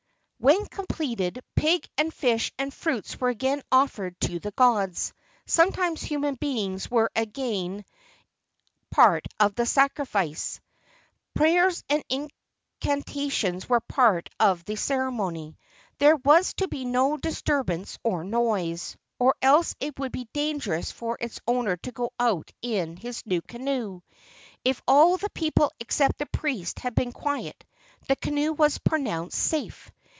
When completed, pig and fish and fruits were again offered to the gods. Sometimes human beings were again a part of the sacrifice. Prayers and incantations were part of the ceremony. There was to be no disturbance oi noise, or else it would be dangerous for its owner to go out in his new canoe. If all the people except the priest had been quiet, the canoe was pronounced safe.